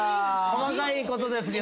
細かいことですけどね。